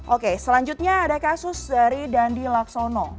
oke selanjutnya ada kasus dari dandi laksono